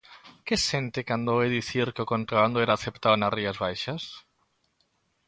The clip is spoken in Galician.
Que sente cando oe dicir que o contrabando era aceptado nas Rías Baixas?